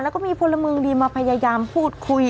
แล้วก็มีพลเมืองดีมาพยายามพูดคุย